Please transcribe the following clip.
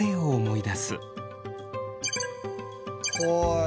はい。